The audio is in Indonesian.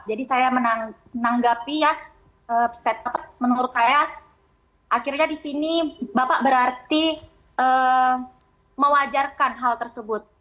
jadi saya menanggapi ya menurut saya akhirnya di sini bapak berarti mewajarkan hal tersebut